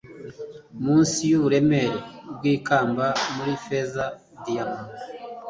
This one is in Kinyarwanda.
munsi yuburemere bwikamba muri feza diyama